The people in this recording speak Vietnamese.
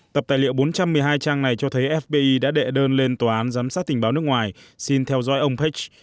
tập tài liệu bốn trăm một mươi hai trang này cho thấy fbi đã đệ đơn lên tòa án giám sát tình báo nước ngoài xin theo dõi ông pich